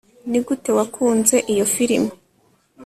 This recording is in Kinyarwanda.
nigute wakunze iyo firime